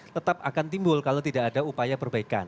tetap akan timbul kalau tidak ada upaya perbaikan